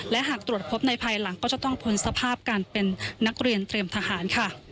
และหากตรวจพบในภายหลังก็จะต้องพ้นสภาพการเป็นนักเรียนเตรียมทหารค่ะ